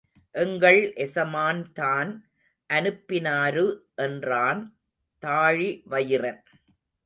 எங்கள் எசமான் தான் அனுப்பினாரு என்றான் தாழிவயிறன்.